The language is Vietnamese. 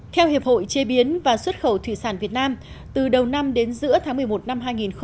theo hiệp hội chế biến và xuất khẩu thủy sản việt nam từ đầu năm đến giữa tháng một mươi một năm hai nghìn một mươi chín